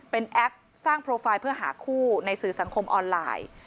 เป็นแอปสร้างโปรไฟล์เพื่อหาคู่ในสื่อสังคมออนไลน์